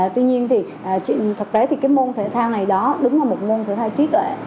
tuy nhiên thì thực tế thì cái môn thể thao này đó đúng là một môn của hai trí tuệ